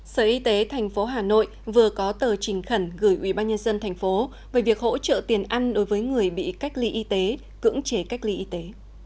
sở y tế thành phố hà nội vừa có tờ trình khẩn gửi ubnd thành phố về việc hỗ trợ tiền ăn đối với người bị cách ly y tế cưỡng chế cách ly y tế